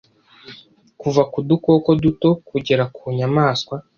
kuva ku dukoko duto kugera ku nyamaswa